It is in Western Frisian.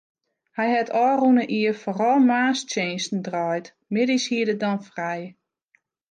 Hy hat ôfrûne jier foaral moarnstsjinsten draaid, middeis hie er dan frij.